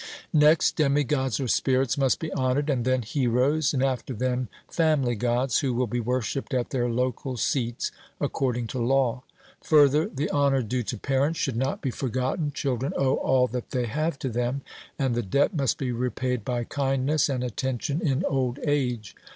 Next demi gods or spirits must be honoured, and then heroes, and after them family gods, who will be worshipped at their local seats according to law. Further, the honour due to parents should not be forgotten; children owe all that they have to them, and the debt must be repaid by kindness and attention in old age.